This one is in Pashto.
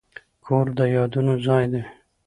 کور د یادونو ځای دی.